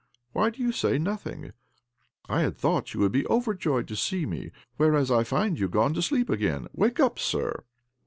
' Why do you say nothing ? I had thought you would be over joyed to see me, whereas I find you gone to sleep again ! Wake up, sir